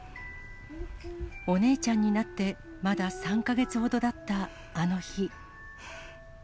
お姉ちゃんになってまだ３か月ほどだったあの日。